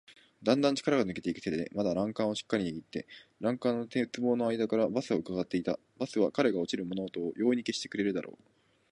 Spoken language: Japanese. だんだん力が抜けていく手でまだ欄干をしっかりにぎって、欄干の鉄棒のあいだからバスをうかがっていた。バスは彼が落ちる物音を容易に消してくれるだろう。